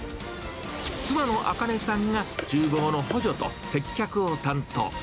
妻のあかねさんがちゅう房の補助と接客を担当。